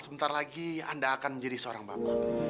sebentar lagi anda akan menjadi seorang bapak